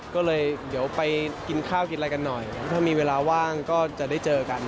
ก็เลยเดี๋ยวไปกินข้าวกินอะไรกันหน่อยถ้ามีเวลาว่างก็จะได้เจอกัน